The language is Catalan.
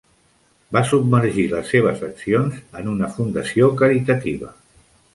Va submergir les seves accions en una fundació caritativa.